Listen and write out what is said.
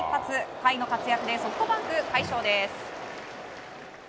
甲斐の活躍でソフトバンク快勝です